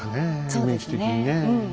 イメージ的にね。